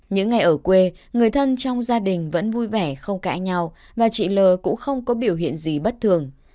những ngày ở quê người thân trong gia đình vẫn vui vẻ không cãi nhau và chị l cũng không có biểu hiện gì bất thường